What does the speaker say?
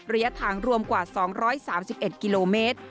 ระยะทางรวมกว่า๒๓๑กิโลเมตร